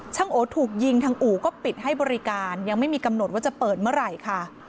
โอถูกยิงทางอู่ก็ปิดให้บริการยังไม่มีกำหนดว่าจะเปิดเมื่อไหร่ค่ะ